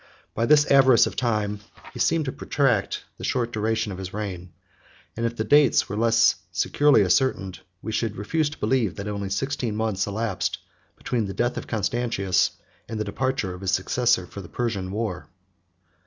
52 By this avarice of time, he seemed to protract the short duration of his reign; and if the dates were less securely ascertained, we should refuse to believe, that only sixteen months elapsed between the death of Constantius and the departure of his successor for the Persian war.